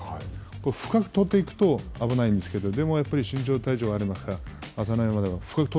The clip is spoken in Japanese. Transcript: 深く取っていくと危ないんですけど、でも、やっぱり身長、体重がありますから、朝乃山は、深く取